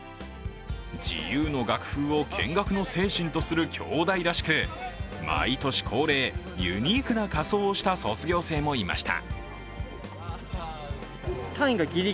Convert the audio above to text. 自由の学風を建学の精神とする京大らしく、毎年恒例、ユニークな仮装をした卒業生もいました。